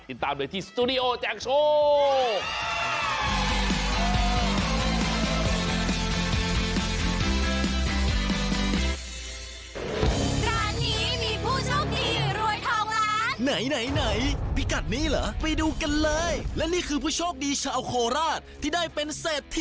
ติดตามเลยที่สตูดิโอแจกโชค